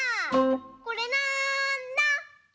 これなんだ？